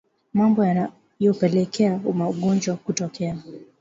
Mambo yanayopelekea ugonjwa kutokea